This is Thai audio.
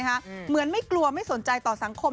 เหมือนไม่กลัวไม่สนใจต่อสังคม